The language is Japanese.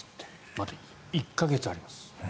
まだ１か月あります。